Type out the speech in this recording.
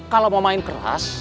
kalau mau main kerasian